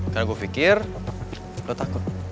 karena gue pikir lo takut